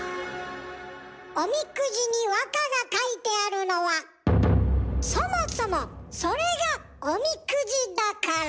おみくじに和歌が書いてあるのはそもそもそれがおみくじだから。